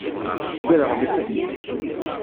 Ugadeɣ mliḥ.